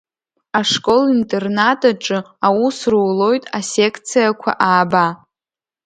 Ашкол-интернат аҿы аус рулоит асекциақәа ааба…